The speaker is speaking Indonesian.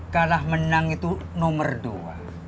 kalah menang itu nomor dua